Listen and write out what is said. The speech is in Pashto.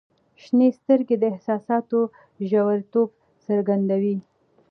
• شنې سترګې د احساساتو ژوریتوب څرګندوي.